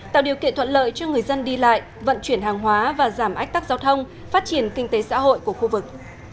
tạo điều kiện thuận lợi cho người dân đi lại vận chuyển hàng hóa và giảm ách tắc giao thông phát triển kinh tế xã hội của khu vực